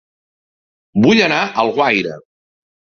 Vull anar a Alguaire